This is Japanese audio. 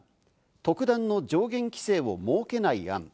特段の上限規制を設けない案。